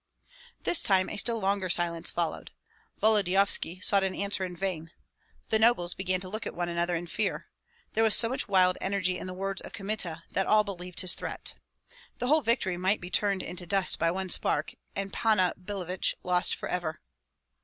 This time a still longer silence followed. Volodyovski sought an answer in vain. The nobles began to look at one another in fear. There was so much wild energy in the words of Kmita that all believed his threat. The whole victory might be turned into dust by one spark, and Panna Billevich lost forever.